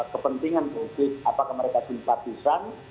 kepentingan politik apakah mereka simpatisan